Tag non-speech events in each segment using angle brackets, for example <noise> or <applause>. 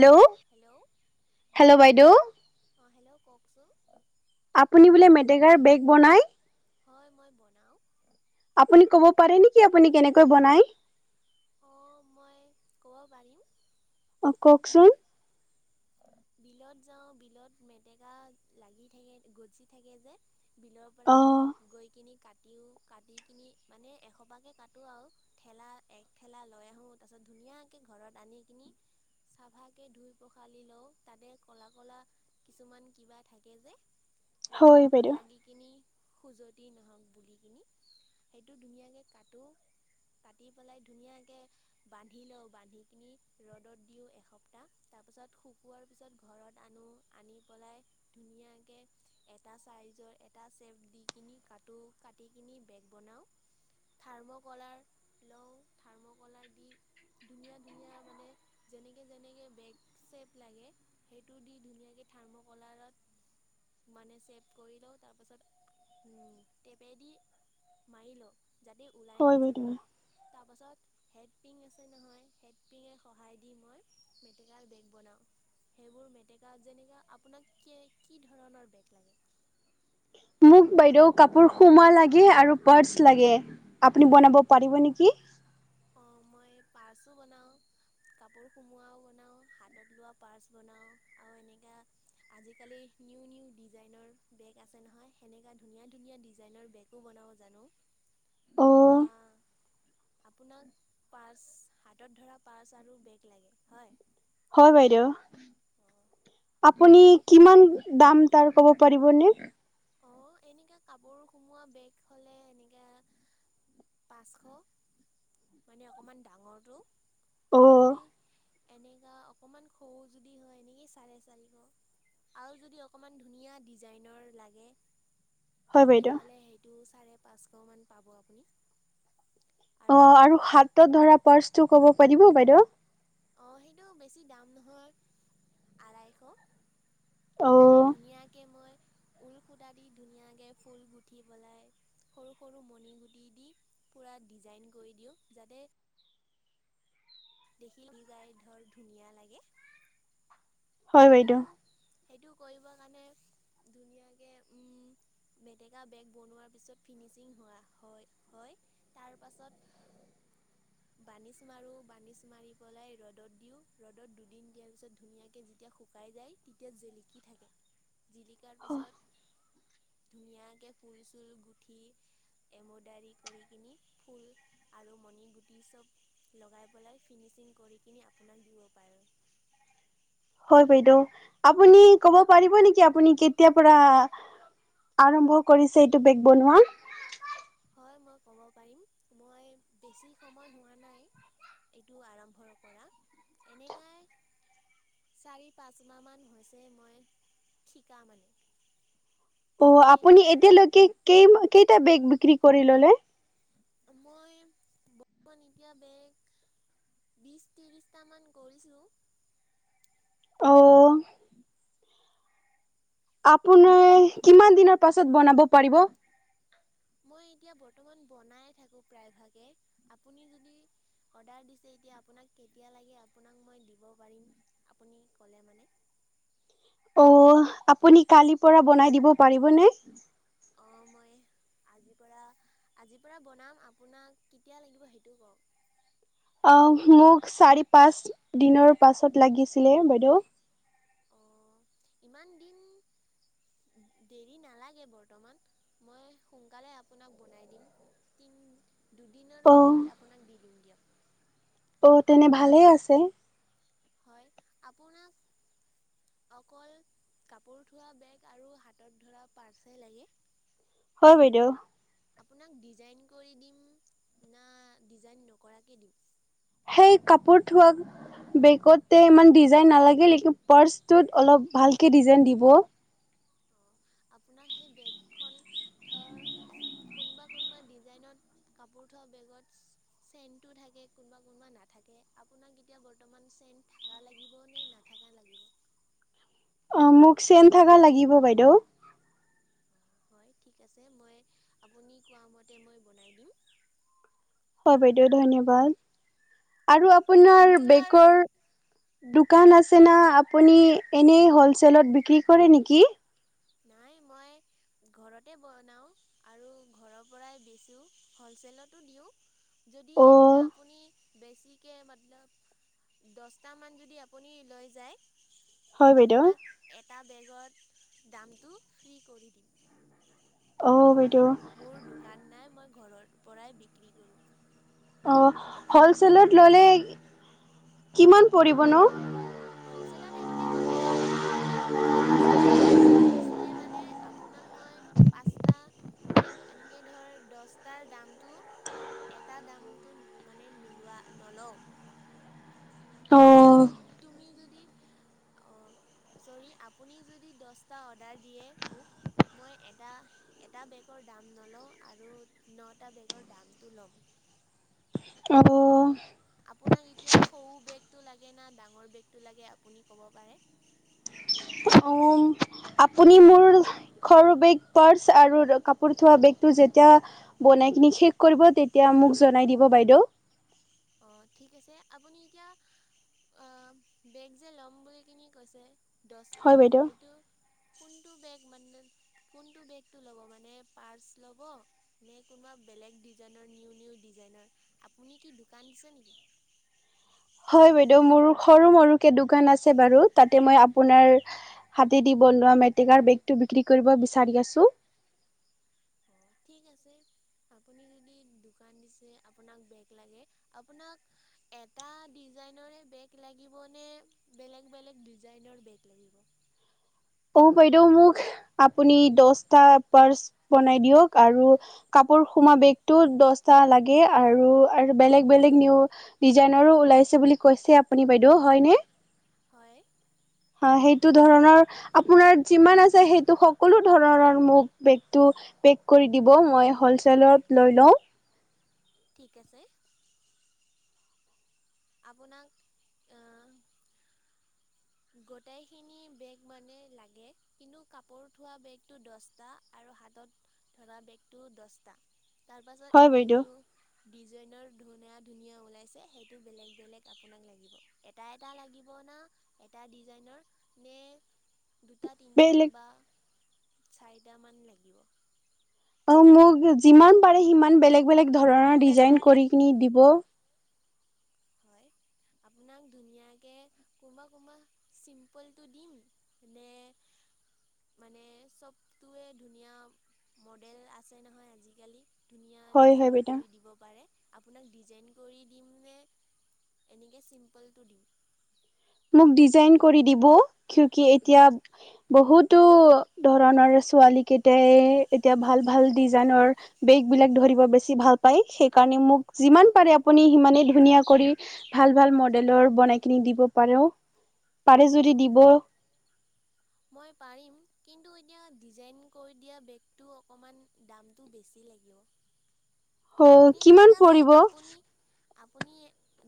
Hello hello বাইদেউ অঁ hello কওকচোন আপুনি বোলে মেটেকাৰ বেগ বনায়? হয় মই বনাওঁ৷ আপুনি কব পাৰে নেকি আপুনি কেনেকৈ বনায়? অঁ মই ক'ব পাৰিম৷ অ কওকচোন বিলত যাওঁ, বিলত মেটেকা লাগি থাকে, গজি থাকে যে। বিলৰ পৰা অ গৈ কিনি কাটিও কাটি কিনি মানে এসপাকে কাটো আৰু ঠেলা এক ঠেলা লৈ আহো তাৰপিছত ধুনীয়াক ঘৰত আনি কিনি চাফাকে ধুই-পখালি লওঁ, তাতে ক'লা-ক'লা কিছুমান কিবা থাকে যে যাতে হয় হাতত বাইদেউ লাগি কিনি খুজতি নহওঁক বুলি কিনি সেইটো ধুনীয়াকে কাটো, কাটি পেলাই ধুনীয়াকে বান্ধি লওঁ। বান্ধি কিনি ৰ'দত দিওঁ এসপ্তাহ, তাৰপিছত শুকোৱাৰ পিছত ঘৰত আনো, আনি পেলাই ধুনীয়াকে এটা চাইজৰ এটা চেপ দি কিনি কটো, কাটি কিনি বেগ বনাওঁ থাৰ্ম'কলাৰ লওঁ, থাৰ্ম'কলাৰ দি ধুনীয়া ধুনীয়া মানে যেনেকে যেনেকে বেগ চেপ লাগে সেইটো দি ধুনীয়াকে থাৰ্ম'কলাৰত মানে চেপ কৰি লওঁ তাৰপাছত উম টেপেদি মাৰি লওঁ, যাতে ওলাই হয় নাযাক, বাইদেউ তাৰপাছত হেড পিং আছ নহয় হেডপিঙে সহায় দি মই মেটেকাৰ বেগ বনাও, সেইবোৰ মেটেকাত যেনেকা আপোনাক কি ধৰণৰ বেগ লাগে? মোক বাইদেউ কাপোৰ সোমা লাগে আৰু পাৰ্চ লাগে, আপুনি বনাব পাৰিব নিকি? অঁ মই পাৰ্চো বনাওঁ, কাপোৰ সোমোৱাও বনাওঁ, হাতত লোৱা পাৰ্চ বনাওঁ আৰু এনেকা আজিকালি নিউ নিউ ডিজাইনৰ বেগ আছে নহয়, সেনেকুৱা ধুনীয়া ধুনীয়া ডিজাইনৰ বেগো বনাব জানো। অ অ', আপোনাক পাৰ্চ, হাতত ধৰা পাৰ্চ আৰু বেগ লাগে, হয়? হয় বাইদেউ। অঁ আপুনি মই সেই কিমান দাম তাৰ ক'ব পাৰিব নে? অ', এনেকাে কাপোৰ সোমোৱা বেগ হ'লে এনেকা পাঁচশ, মানে অকমান ডাঙৰটো। অ আৰু যদি এনেকা অকমান সৰু যদি হয় এনেকেই চাৰে চাৰিশ আৰু যদি অকমান ধুনীয়া ডিজাইনৰ লাগ গে হয় তেতিয়া বাইদেউ হ'লে সেইটো চাৰে পাঁচশমান পাব আপুনি। অ' আৰু হাতত ধৰা পাৰ্চটো ক'ব পাৰিব বাইদেউ? অ', সেইটো বেছি দাম নহয়, আঢ়াইশ। অ তাতে ধুনীয়াকে মই ঊল সূতা দি ধুনীয়াকে ফুল গুঠি পলাই সৰু-সৰু মণি গুটি দি পুৰা ডিজাইন কৰি দিওঁ, যাতে দেখি দিজাই ধৰ ধুনীয়া লাগে। হয় বাইদেউ। সেইটো সেইটো কৰিব কাৰণে ধুনীয়াকে উম মেটেকা বেগ বনোৱাৰ পিছত ফিনিচিং হোৱা, হয়, হয়, তাৰপাছত বানিছ মাৰো, বানিছ মাৰি পেলাই ৰ'দত দিওঁ, ৰ'দত দুদিন দিয়াৰ পিছত ধুনীয়াকে যেতিয়া শুকাই যায় তেতিয়া জিলিকি থাকে। জিলিকাৰ পিছত ধুনীয়াকে ফুল-চুল গুঠি এমব্ৰডাৰী কৰি কিনি ফুল আৰু মণি গুটি চব লগাই পলাই ফিনিচিং কৰি কিনি আপোনাক দিব পাৰো। হয় বাইদেউ, আপুনি ক'ব পাৰিব নেকি আপুনি কেতিয়াৰ পৰা আৰম্ভ কৰিছে এইটো বেগ বনোৱা? হয় মই ক'ব পাৰিম মই বেছি সময় হোৱা নাই এইটো আৰম্ভৰ পৰা, এনেকাই চাৰি-পাঁচ মাহ মান হৈছে মই শিকা মানে। অ', আপুনি এ এতিয়ালৈকে কেইম, কেইটা বেগ বিক্ৰী কৰি ল'লে? মই বৰ্তমান এতিয়া বেগ বিছ-ত্ৰিছটামান কৰিছোঁ। অ', আপোনাৰ কিমান দিনৰ পাছত বনাব পাৰিব? মই এতিয়া বৰ্তমান বনাই থাকো প্ৰায়ভাগে আপুনি যদি অৰ্ডাৰ দিছে এতিয়া আপোনাক কেতিয়া লাগে আপোনাক মই দিব পাৰিম আপুনি ক'লে মানে। অ', আপুনি কালিৰ পৰা বনাই দিব পাৰিবনে? অ মই আজিৰ পৰা আজিৰ পৰা বনাম আপোনাক কেতিয়া লাগিব সেইটো কওঁক। অ' মোক চাৰি পাঁচ দিনৰ পাছত লাগিছিলে বাইদেউ। অঁ ইমান দিন দেৰি নালাগে বৰ্তমান মই সোনকালে আপোনাক বনাই দিম তিনি দুদিনৰ অ' ভিতৰত আপোনাক দি দিম দিয়ক। অ' তেনে আপোনাক ভালেই আছে। হয় আপোনাক অকল কাপোৰ থোৱা বেগ আৰু হাতত ধৰা পাৰ্চ হে লাগে? হয় বাইদেউ। আপোনাক ডিজাইন কৰি দিম না ডিজাইন নকৰাকে দিম। সেই কাপোৰ থোৱা বেগতে ইমান ডিজাইন নালাগে নিকি পাৰ্চটোত অলপ ভালকে ডিজাইন দিব। অঁ আপোনাৰ সেই বেগ খন ধৰ কোনবা কোনবা ডিজাইনত কাপোৰ থোৱা বেগত চেইনটো থাকে কোনবা কোনবা নাথাকে আপোনাক এতিয়া বৰ্তমান চেইন থাকা লাগিব নে নাথাকা লাগিব? অ মোক চেইন থাকা লাগিব বাইদেউ। হয় ঠিক আছে মই আপুনি কোৱা মতে মই বনাই দিম। হয় বাইদেউ ধন্যবাদ। আৰু আপ আপোনাৰ পুনৰ বেগৰ দোকান আছে না আপুনি এনেই হলচেলত বিক্ৰী কৰে নেকি? নাই মই ঘৰতে বনাওঁ আৰু ঘৰৰ পৰাই বেচোঁ হ'লচেলতো দিওঁ যদি অ', এনেকা আপুনি বেছিকে মতলব দছটামান যদি আপুনি লৈ যায় হয় বাইদেউ আপোনাক এটা বেগত দামটো ফ্ৰী কৰি দিম। অ', মানে বাইদেউ মোৰ দোকান নাই মই ঘৰৰ পৰাই বিক্ৰী কৰোঁ। অ হলচেলত ললে কিমান পৰিব নো? হ'লচেলত এনেকৈ নিবিচোঁ কিন্তু দহটামান বিচিলে মানে আপোনাক মই পাঁচটা, এনেকৈ ধৰ দহটাৰ দামটো এটাৰ দামটো মানে নোলোৱা নলওঁ। আপোনাক অ', তুমি যদি ছৰি আপুনি যদি দহটা অৰ্ডাৰ দিয়ে মোক মই এটা এটা বেগৰ দাম নলওঁ আৰু নটা বেগৰ দামটো ল'ম। আবৌ <unintelligible> আপোনাক এতিয়া সৰু বেগটো লাগে না ডাঙৰ বেগটো লাগে আপুনি ক'ব পাৰে? অ', আপুনি মোৰ সৰু বেগ পৰচ আৰু কাপোৰ থোৱা বেগটো‌ যেতিয়া বনাই কিনে ঠিক কৰিব তেতিয়া মোক জনাই দিব বাইদেউ। অ ঠিক আছে আপুনি এতিয়া অ বেগ যে ল'ম বুলি কিনি কৈছে। দহটা হয় বাইদেউ। এইটো কোনটো বেগ মানে কোনটো বেগটো ল'ব মানে পাৰ্চ ল'ব নে কোনোবা বেলেগ ডিজাইনৰ নিউ নিউ ডিজাইনৰ আপুনি কি কাঞ্চন <inaudible> হয় বাইদেউ মোৰ সৰু মৰুকে দোকান আছে বাৰু তাতে মই আপোনাৰ হাতেদি বনাৱো <unintelligible> বেগটো বিক্ৰী কৰিব বিচাৰি আছোঁ। অঁ ঠিক আছে আপুনি যদি দোকান দিছে আপোনাক বেগ লাগে আপোনাক এটা ডিজাইনৰে বেগ লাগিব নে বেলেগ বেলেগ ডিজাইনৰ বেগ লাগিব? অ বাইদেউ মোক আপুনি দচটা পাৰ্চ বনাই দিয়ক আৰু কাপোৰ হুমা বেগটো দহটা লাগে আৰু আৰু বেলেগ বেলেগ নিউ ডিজাইনৰো ওলাইছে বুলি কৈছে আপুনি বাইদেউ হয়নে? হয় অ সেইটো ধৰণৰ আপোনাৰ যিমান আছে সেইটো সকলো ধৰণৰ মোক বেগটো পেক কৰি দিব মই হ'লচেলত লৈ লওঁ। ঠিক আছে। আপোনাক অহ্ গোটেইখিনি বেগ মানে লাগে কিন্তু কাপোৰ থোৱা বেগটো দচটা আৰু হাতত ধৰা বেগটো দচটা। তাৰ পাছত হয় এনে বাইদেউ নিউ ডিজাইনৰ ধুনীয়া ধুনীয়া ওলাইছে সেইটো বেলেগ বেলেগ আপোনাক লাগিব এটা এটা লাগিব না এটা ডিজাইনৰ নে দুটা তিনিটা বেলেগ বা চাৰিটামান লাগিব? অ মোক যিমান পাৰে সিমান বেলেগ বেলেগ ধৰণৰ ডিজাইন কৰি কিনি দিব। আপোনাক ধুনীয়াকৈ কু'বা 'কুবা চিম্পলটো দিম নে মানে চবটোৱে ধুনীয়া মডেল আছে নহয় আজিকালি ধুনীয়া হয় হয় ডিজাইন বেটা কৰি দিব পাৰে। আপোনাক ডিজাইন কৰি দিম নে? এনেকৈ চিম্পলটো দিওঁ। মোক ডিজাইন কৰি দিব। কু কি এতিয়া বহুতো ধৰণৰ ছোৱালী কেইটাই এতিয়া ভাল ভাল ডিজাইনৰ বেগ বিলাক ধৰিব বেছি ভাল পায় সেইকাৰণে মোক যিমান পাৰে আপুনি সিমানে ধুনীয়া কৰি ভাল ভাল মডেলৰ বনাই কিনি দিব। হেল্ল পাৰে যদি অঁ দিব। মই পাৰিম কিন্তু এতিয়া ডিজাইন কৰি দিয়া বেগটো অকণমান দামটো বেছি লাগিব। অ আপুনি কিমান ঠিক আছে পৰিব? আপুনি আপুনি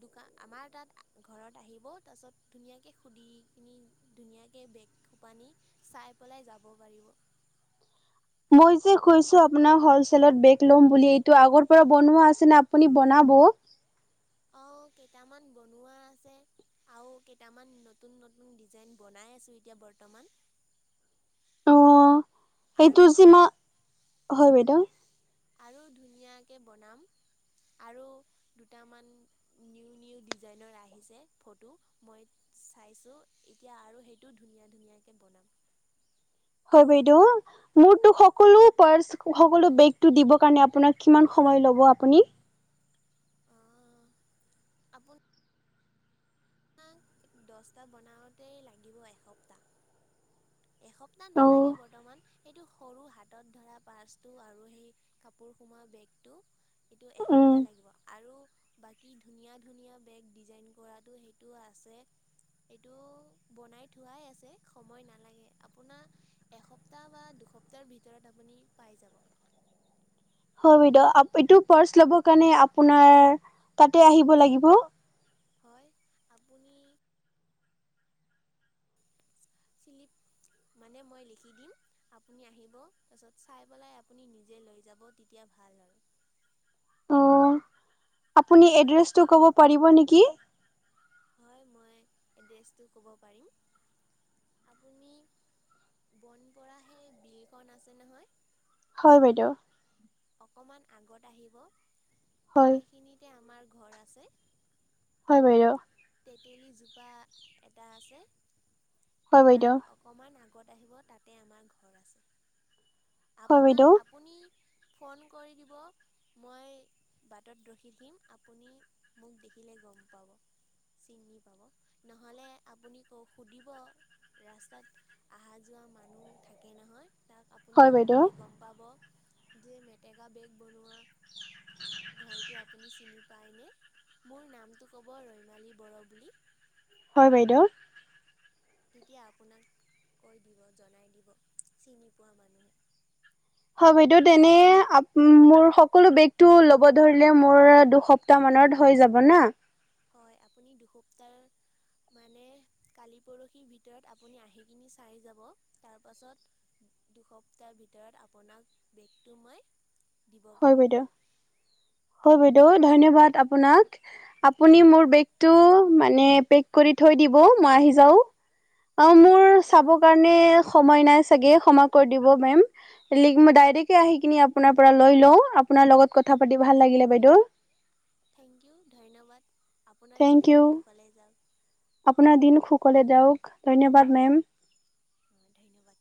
দোকান আমাৰ তাত ঘৰত আহিব তাৰপিছত ধুনীয়াকৈ সুধি কিনি ধুনীয়াকৈ বেগ পানী চাই পেলে যাব পাৰিব। মই যে কৈছো আপোনাক হলচেলট বেগ লম বুলি এইটো আগৰ পৰা বনোবা আছে নে আপুনি বনাব? অঁ কেইটামান বনোৱা আছে আৰু কেইটামান নতুন নতুন ডিজাইন বনাই আছো এতিয়া বৰ্তমান অ সেইটো আৰু যে মই হয় বাইদউ। আৰু ধুনীয়াকে বনাম আৰু দুটামান নিউ নিউ ডিজাইনৰ আহিছে ফটো মই চাইছোঁ এতিয়া আৰু সেইটো ধুনীয়া ধুনীয়াকৈ বনাম। হয় বাইদেউ মোৰটো সকলো ৰ্পচ সকলো বেগটোত দিব কাৰণে আপোনাক আপোনাৰ কিমান সময় লব আপুনি? আপোন দছটা বনাওতে লাগিব এসপ্তাহ এসপ্তাহ নালাগে উম বৰ্তমান সেইটো সৰু হাতত ধৰা পাৰ্চটো আৰু সেই কাপোৰ সোমোৱা বেগটো। এইটো এসপ্তাহ লাগিব আৰু বাকী ধুনীয়া-ধুনীয়া বেগ ডিজাইন কৰাটো সেইটো আছে। এইতো বনাই থোৱাই আছে সময় নালাগে আপোনা এসপ্তাহ বা দুসপ্তাহ ভিতৰত আপুনি পাই যাব। হয় বাইদেউ আপ এইটো পাৰ্চ ল'ব কাৰণে আপোনাৰ তাতে আহিব লাগিব। হয় আপুনি চিলিপ মানে মই লিখি দিম আপুনি আহিব তাৰ পাছত চাই পেলাই আপুনি নিজে লৈ যাব তেতিয়া ভাল আৰু। অ আপুনি এড্ৰেছটো ক'ব পাৰিব নেকি? হয় মই এড্ৰেছটো ক'ব পাৰিম আপুনি বনপৰা সেই বিলখন আছে নহয় হয় বাইদেউ। অকমান আগত আহিব হয় সেইখিনিতে আমাৰ ঘৰ আছে। হয় বাইয়। তেতেলীজোপা এটা আছে। হয় বাইদ। গত আহিব তাতে আমাৰ ঘৰ আছে। হয় আপোনা বাইদেউ আপুনি ফোন কৰি দিব মই বাটত ৰখি থাকিম আপুনি মোক দেখিলে গম পাব। চিনি পাব নহ'লে আপুনি সুধিব ৰাস্তাত অহা যোৱা মানুহ থাকে নহয়। তাক আপুনি হয় বাইদেউ সুধিলে গম পাব। যে মেটেকা বেগ বনোৱা ঘৰটো আপুনি চিনি পাই নে? মোৰ নামটো ক'ব ৰৈমালি বড় বুলি। হয় বাইদেউ। তেতিয়া আপোনাক কৈ দিব জনাই দিব চিনি পোৱা মানুহে। হয় বাইদেউ যেনে আপ মোৰ সকলো বেগটো ল'ব ধৰিলে মোৰ দুসপ্তাহ মানত হৈ যাব না? হয় আপুনি দুসপ্তাহ মানে কালি পৰহিৰ ভিতৰত আপুনি আহি কিনি চাই যাব তাৰপাছত দুসপ্তাহৰ ভিতৰত আপোনাক বেগটো মই দিব হয় পাৰিম বাইদউ হয় বাইদ দউ' ধন্যবাদ আপোনাক। আপুনি মোৰ ধন্যবাদ বেগটো মানে পেক কৰি থৈ দিব, মই আহি যাওঁ। অঁ মোৰ ঠিক চাব আছে কাৰণে সময় নাইছ চাগে ক্ষমা কৰি দিব মেম। লিগ ডাইৰেকে আহি কিনি আপোনাৰ পৰা লৈ লওঁ, আপোনাৰ লগত কথা পাতি ভাল লাগিলে বাইদেউ। থেংক ইউ ধন্যবাদ। আপোনাৰ দিনটো থেংকইউ, সুখলে যাওক আপোনাৰ দিন খু সুকলে যাওঁক, ধন্যবাদ মেম। ধন্যবাদ।